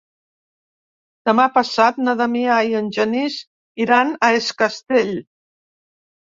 Demà passat na Damià i en Genís iran a Es Castell.